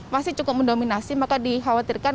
masih cukup mendominasi maka dikhawatirkan